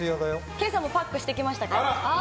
今朝もパックしてきました。